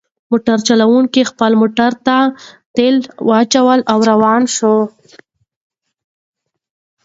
موټر چلونکي خپل موټر ته تیل واچول او روان شو.